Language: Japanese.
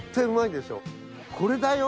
これだよ。